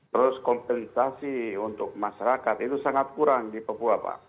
terus kompensasi untuk masyarakat itu sangat kurang di papua pak